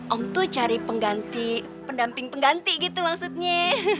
om tuh cari pendamping pengganti gitu maksudnya